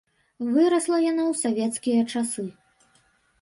Вырасла яна ў савецкія часы.